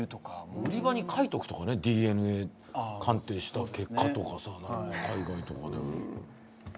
売り場に書いておくとかね、ＤＮＡ鑑定した結果とか。